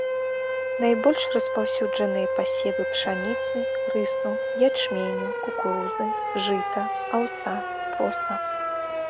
Найбольш распаўсюджаныя пасевы пшаніцы, рысу, ячменю, кукурузы, жыта, аўса, проса.